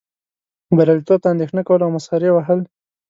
بریالیتوب ته اندیښنه کول او مسخرې وهل.